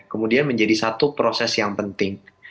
kemudian menjadi satu proses yang penting